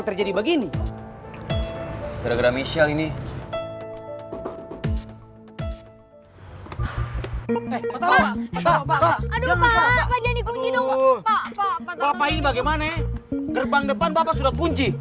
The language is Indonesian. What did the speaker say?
gerbang depan bapak sudah kunci